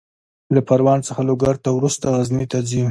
له پروان څخه لوګر ته، وروسته غزني ته ځي.